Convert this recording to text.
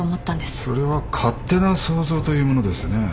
それは勝手な想像というものですね。